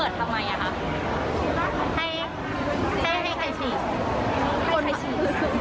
ใช่ครับ